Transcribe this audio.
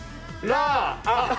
ラー！